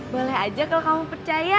boleh aja kalau kamu percaya